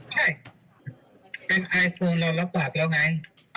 ใช่การไอโฟนเรารับปากแล้วไง